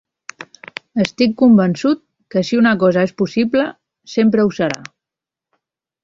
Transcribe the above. Estic convençut que si una cosa és impossible, sempre ho serà.